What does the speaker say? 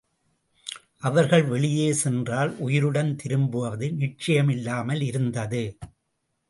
அவர்கள் வெளியே சென்றால் உயிருடன் திரும்புவது நிச்சயமில்லாமல் இருந்தது.